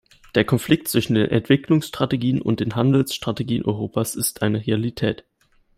Der Konflikt zwischen den Entwicklungsstrategien und den Handelsstrategien Europas ist eine Realität.